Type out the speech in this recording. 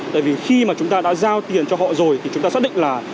tại vì khi mà chúng ta đã giao tiền cho họ rồi thì chúng ta xác định là